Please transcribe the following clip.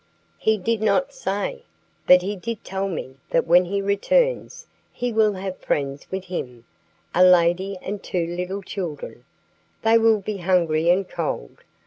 "He did not say; but he did tell me that when he returns he will have friends with him a lady and two little children. They will be hungry and cold.